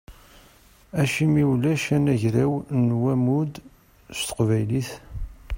Acimi ulac anagraw n wammud s teqbaylit?